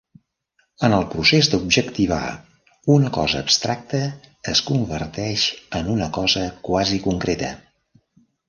En el procés d'objectivar, una cosa abstracta es converteix en una cosa quasi concreta.